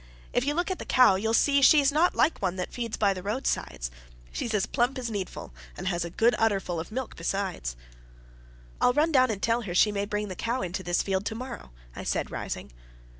If you look at the cow, you'll see she's not like one that feeds by the roadsides. She's as plump as needful, and has a good udderful of milk besides." "I'll run down and tell her she may bring the cow into this field to morrow," I said, rising.